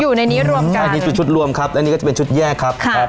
อยู่ในนี้รวมกันอันนี้ชุดชุดรวมครับอันนี้ก็จะเป็นชุดแยกครับครับ